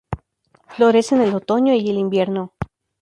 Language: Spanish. Florece en el otoño y el invierno.